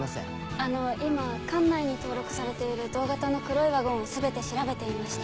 あの今管内に登録されている同型の黒いワゴンを全て調べていまして。